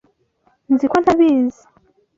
Nzi ko ntabizi. (sctld)